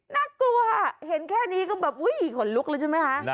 น่ากลัวเห็นแค่นี้ก็แบบอุ๊ยขนลุกแล้วใช่ไหมคะ